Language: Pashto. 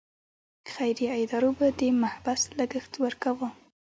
خیریه ادارو به د محبس لګښت ورکاوه.